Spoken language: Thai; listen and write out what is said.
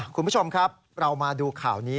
คุณผู้ชมครับเรามาดูข่าวนี้